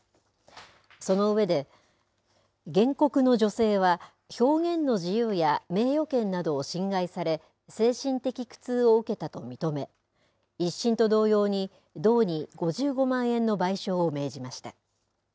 その上で原告の女性は表現の自由や名誉権などを侵害され精神的苦痛を受けたと認め１審と同様に道に５５万円の賠償を命じました。